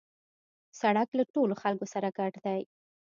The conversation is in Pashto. سړک له ټولو خلکو سره ګډ دی.